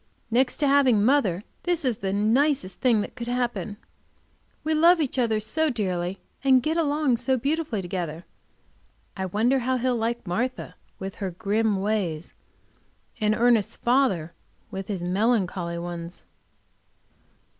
Next to having mother, this is the nicest thing that could happen. We love each other so dearly, and get along so beautifully together I wonder how he'll like Martha with her grim ways, and Ernest's father with his melancholy ones.